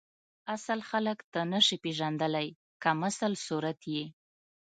اصل خلک ته نسی پیژندلی کمسل صورت یی